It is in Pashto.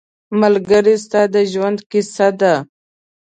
ملګری ستا د ژوند کیسه ده